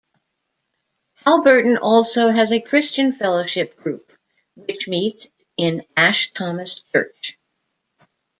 Halberton also has a Christian Fellowship Group, which meets in Ash Thomas Church.